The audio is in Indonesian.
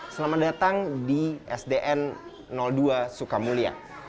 selamat datang di sdn dua sukamulya